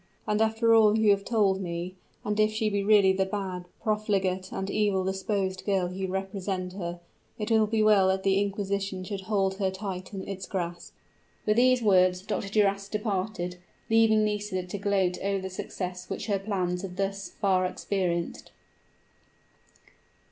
"And after all you have told me, and if she be really the bad, profligate, and evil disposed girl you represent her, it will be well that the inquisition should hold her tight in its grasp." With these words Dr. Duras departed, leaving Nisida to gloat over the success which her plans had thus far experienced.